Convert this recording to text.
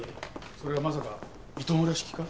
それはまさか糸村式か？